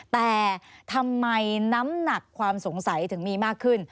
แต่ทำไมน้ำหนักความสงสัยถึงมีมากขึ้น